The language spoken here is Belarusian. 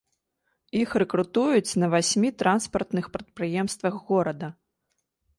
Іх рэкрутуюць на васьмі транспартных прадпрыемствах горада.